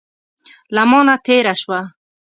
له مانه تېره شوه.